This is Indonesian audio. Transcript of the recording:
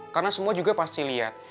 karena semua juga pasti lihat